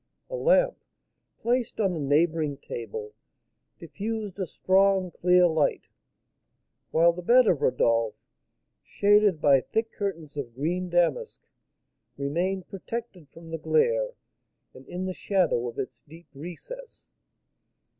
A lamp, placed on a neighbouring table, diffused a strong, clear light; while the bed of Rodolph, shaded by thick curtains of green damask, remained protected from the glare, and in the shadow of its deep recess.